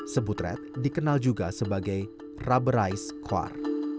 sebutret dikenal juga sebagai rubberized quar